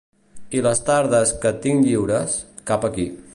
I les tardes que tinc lliures, cap aquí.